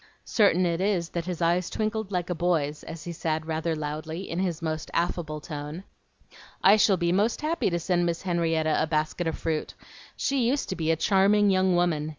Certain it is that his eyes twinkled like a boy's, as he said rather loudly, in his most affable tone, "I shall be most happy to send Miss Henrietta a basket of fruit. She used to be a charming young woman.